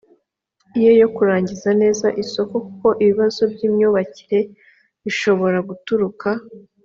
ye yo kurangiza neza isoko kuko ibibazo by imyubakire bishobora guturuka